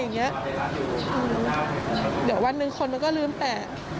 เดี๋ยววันหนึ่งคนมันก็ลืมแตก